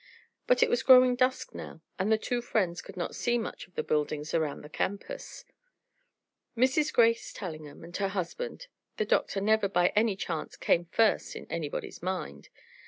But it was growing dusk now and the two friends could not see much of the buildings around the campus. Mrs. Grace Tellingham and her husband (the Doctor never by any chance came first in anybody's mind!)